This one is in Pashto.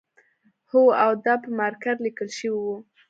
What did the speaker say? هو او دا په مارکر لیکل شوی و